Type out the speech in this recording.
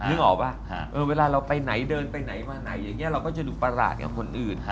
นึกออกป่ะเวลาเราไปไหนเดินไปไหนมาไหนอย่างนี้เราก็จะดูประหลาดกับคนอื่น